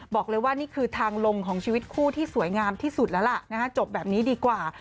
บอกเลยว่านี่คือทางลงของชีวิตคู่ที่สวยงามที่สุดแล้วล่ะจบแบบนี้ดีกว่า